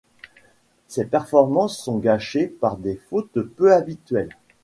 Ses performances sont gâchées par des fautes peu habituelles.